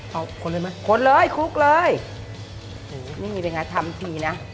เอาคนเลยไหมคนเลยคุกเลยไม่มีเป็นไงทำทีนะ